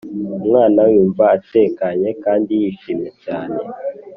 Umwana Yumva Atekanye Kandi Yishimye Cyane